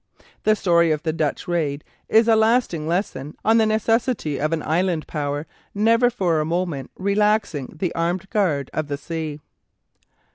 The story of the Dutch raid is a lasting lesson on the necessity of an island power never for a moment relaxing the armed guard of the sea.